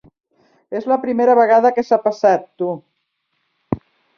És la primera vegada que s'ha passat, tu.